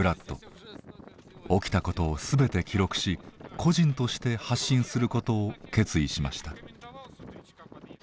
起きたことをすべて記録し個人として発信することを決意しました。